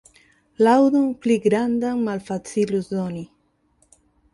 Laŭdon pli grandan malfacilus doni.